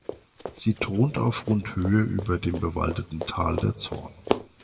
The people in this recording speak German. Sie thront auf rund Höhe über dem bewaldeten Tal der Zorn.